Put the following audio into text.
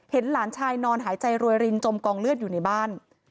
หลานชายนอนหายใจรวยรินจมกองเลือดอยู่ในบ้าน